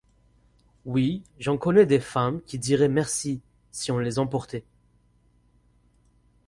Oui, j'en connais des femmes, qui diraient merci, si on les emportait.